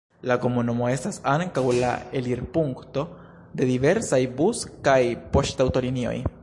La komunumo estas ankaŭ la elirpunkto de diversaj bus- kaj poŝtaŭtolinioj.